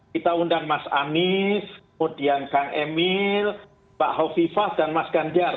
kita undang mas anies kemudian kang emil pak hovifah dan mas ganjar